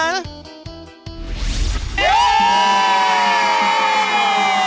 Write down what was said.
เย้